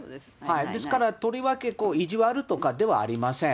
ですから、とりわけいじわるとかではありません。